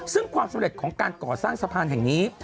ซึ่งความสำเร็จของการก่อสร้างสะพานแห่งนี้